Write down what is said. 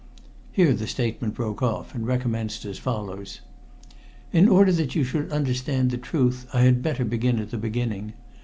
Here the statement broke off, and recommenced as follows: "In order that you should understand the truth, I had better begin at the beginning.